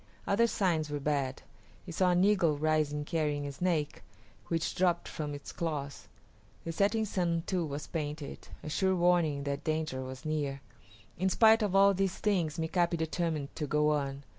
Other signs were bad. He saw an eagle rising carrying a snake, which dropped from its claws. The setting sun too was painted, a sure warning that danger was near. In spite of all these things Mika´pi determined to go on.